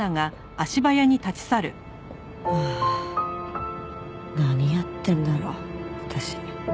ああ何やってんだろ私。